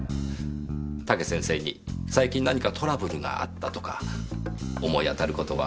武先生に最近何かトラブルがあったとか思い当たることはないかと思いまして。